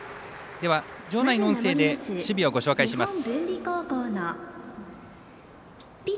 では場内の音声で守備をご紹介します。